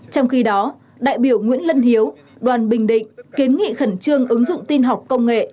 trong khi đó đại biểu nguyễn lân hiếu đoàn bình định kiến nghị khẩn trương ứng dụng tin học công nghệ